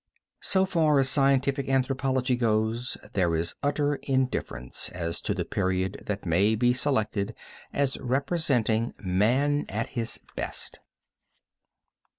So far as scientific anthropology goes there is utter indifference as to the period that may be selected as representing man at his best.